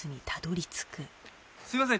すいません